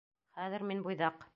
Хәҙер мин буйҙаҡ.